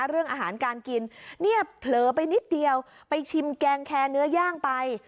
เรื่องอาหารการกินเนี่ยเผลอไปนิดเดียวไปชิมแกงแคร์เนื้อย่างไป